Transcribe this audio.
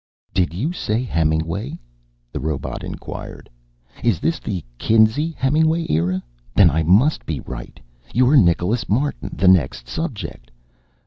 "Did you say Hemingway?" the robot inquired. "Is this the Kinsey Hemingway era? Then I must be right. You're Nicholas Martin, the next subject.